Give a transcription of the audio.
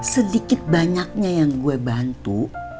sedikit banyaknya yang gue bantu